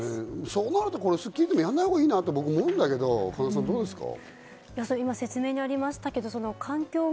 そうなるとこれ『スッキリ』でもやらないほうがいいなと思うんだけど、どうですか？